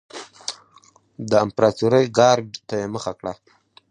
د امپراتورۍ ګارډ ته یې مخه کړه.